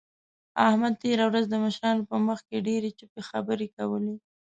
احمد تېره ورځ د مشرانو په مخ کې ډېرې چپه خبرې کولې.